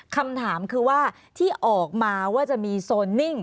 คำถามคือว่าที่ออกมาว่าจะมีโซนนิ่ง